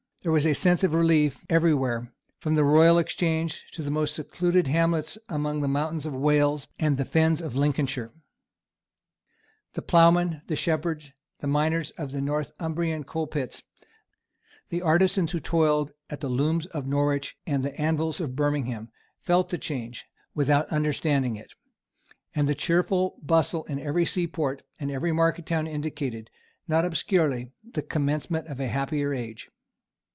There was a sense of relief every where, from the Royal Exchange to the most secluded hamlets among the mountains of Wales and the fens of Lincolnshire. The ploughmen, the shepherds, the miners of the Northumbrian coalpits, the artisans who toiled at the looms of Norwich and the anvils of Birmingham, felt the change, without understanding it; and the cheerful bustle in every seaport and every market town indicated, not obscurely, the commencement of a happier age.